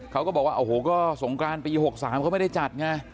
เขาก็บอกว่าโอ้โหก็สงกรานปี๖๓เขาไม่ได้จัดไง